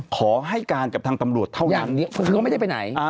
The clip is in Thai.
ขอให้การกับทางตำรวจเท่านั้นอย่างนี้คือไม่ได้ไปไหน